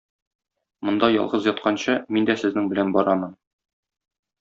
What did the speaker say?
Монда ялгыз ятканчы, мин дә сезнең белән барамын.